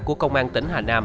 của công an tỉnh hà nam